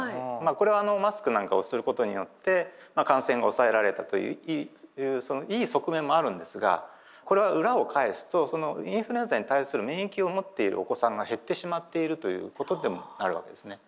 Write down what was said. これはマスクなんかをすることによって感染が抑えられたといういい側面もあるんですがこれは裏を返すとインフルエンザに対する免疫を持っているお子さんが減ってしまっているということでもあるわけですね。